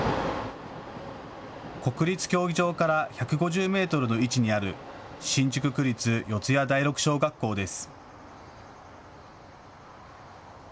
国立競技場から１５０メートルの位置にある新宿区立四谷第六小学校です。